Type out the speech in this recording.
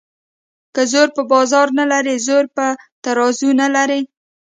که زور په بازو نه لري زر په ترازو نه لري.